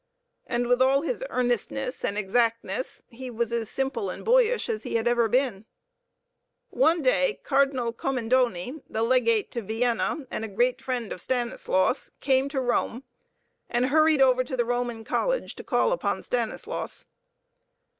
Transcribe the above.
And with all his earnestness and exactness, he was as simple and boyish as he had ever been. One day Cardinal Commendoni, the Legate to Vienna, and a great friend of Stanislaus, came to Rome and hurried over to the Roman College to call upon Stanislaus.